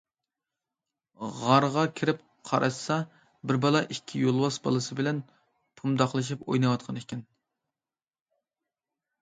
غارغا كىرىپ قاراشسا، بىر بالا ئىككى يولۋاس بالىسى بىلەن پومداقلىشىپ ئويناۋاتقان ئىكەن.